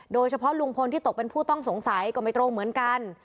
โดยเฉพาะลุงพลที่ตกเป็นผู้ต้องสงสัยก็ไม่ตรงเหมือนกัน